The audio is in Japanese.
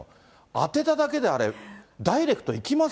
当てただけで、あれ、ダイレクトいきます？